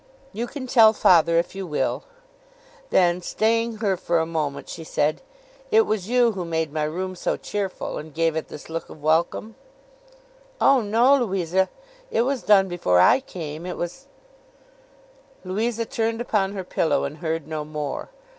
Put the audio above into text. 'You can tell father if you will.' Then, staying her for a moment, she said, 'It was you who made my room so cheerful, and gave it this look of welcome?' 'Oh no, Louisa, it was done before I came. It was—' Louisa turned upon her pillow, and heard no more.